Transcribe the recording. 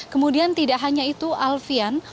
kemudian tidak hanya itu alfian